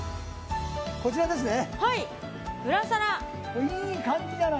こちらですね。